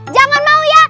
jangan mau ya